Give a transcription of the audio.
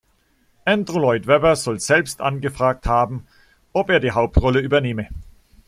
Andrew Lloyd Webber soll selbst angefragt haben, ob er die Hauptrolle übernehme.